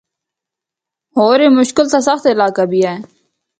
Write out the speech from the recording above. ہور اے مشکل تے سخت علاقہ بھی ہے۔